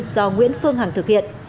do nguyễn phương hằng thực hiện